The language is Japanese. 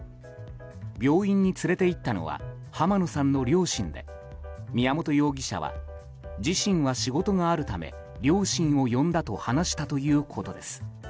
病院に連れて行ったのは浜野さんの両親で宮本容疑者は自身は仕事があるため両親を呼んだと話したということです。